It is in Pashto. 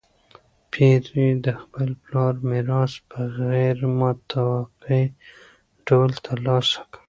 پییر د خپل پلار میراث په غیر متوقع ډول ترلاسه کړ.